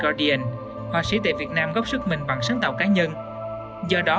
guardian hoa sĩ tại việt nam góp sức mình bằng sáng tạo cá nhân do đó